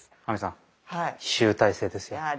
亜美さん集大成ですよ。